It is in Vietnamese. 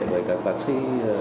với các bác sĩ